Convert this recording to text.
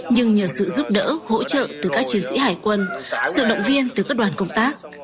nhưng nhờ sự giúp đỡ hỗ trợ từ các chiến sĩ hải quân sự động viên từ các đoàn công tác